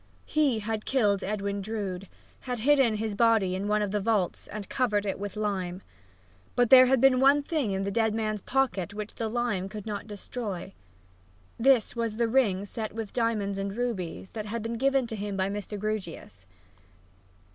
He had killed Edwin Drood, had hidden his body in one of the vaults and covered it with lime. But there had been one thing in the dead man's pocket which the lime could not destroy: this was the ring set with diamonds and rubies, that had been given to him by Mr. Grewgious.